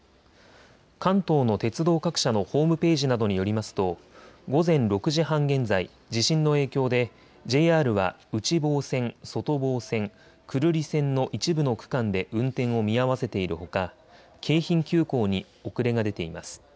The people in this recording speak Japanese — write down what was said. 関東の鉄道各社のホームページなどによりますと、午前６時半現在、地震の影響でＪＲは内房線、外房線、久留里線の一部の区間で運転を見合わせているほか、京浜急行に遅れが出ています。